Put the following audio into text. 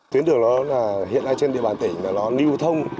tuyến đường đó hiện nay trên địa bàn tỉnh là nó nưu thông